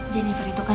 jennifer itu kan